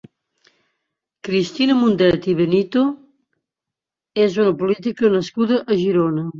Cristina Mundet i Benito és una política nascuda a Girona.